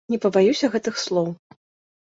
Не пабаюся гэтых слоў.